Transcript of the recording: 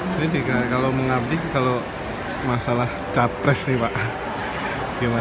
jadi kalau mengabdi kalau masalah cat press nih pak gimana